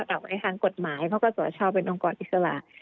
ในทางกฎหมายเพราะกศชเป็นองค์กรอิสระ